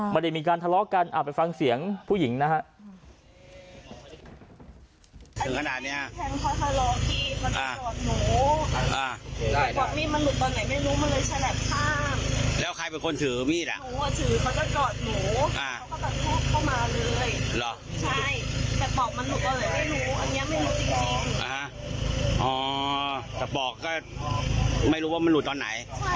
ไม่ได้มีการทะเลาะกันไปฟังเสียงผู้หญิงนะฮะ